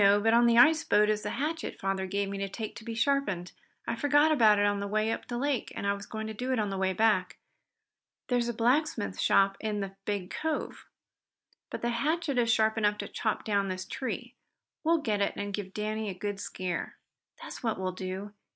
But on the ice boat is that hatchet father gave me to take to be sharpened. I forgot about it on the way up the lake, and I was going to do it on the way back. There's a blacksmith shop in the big cove. But the hatchet is sharp enough to chop down this tree. We'll get it and give Danny a good scare." "That's what we will.